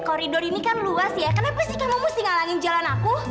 koridor ini kan luas ya kenapa sih kamu mesti ngalangin jalan aku